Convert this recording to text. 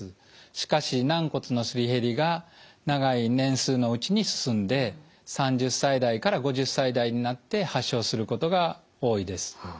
しかし軟骨のすり減りが長い年数のうちに進んで３０歳代から５０歳代になって発症することが多いです。